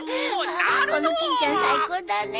この欽ちゃん最高だね。